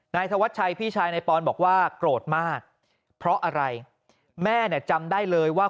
ธวัชชัยพี่ชายนายปอนบอกว่าโกรธมากเพราะอะไรแม่เนี่ยจำได้เลยว่า